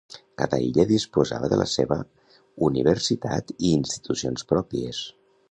Cada illa disposava de la seva universitat i institucions pròpies.